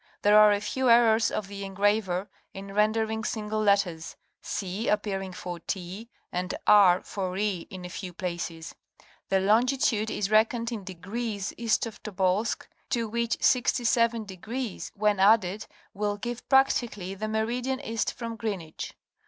There are a few errors of the engraver in rendering single letters '' c" appearing for ''t" and ''r" for ''e" in a few places. The longitude is reckoned in degrees east from Tobolsk to which 67° degrees when added will give practically the meridian east from Greenwich.